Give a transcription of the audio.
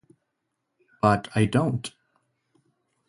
But I don't!